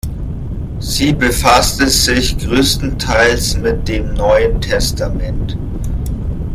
Sie befasste sich größtenteils mit dem Neuen Testament.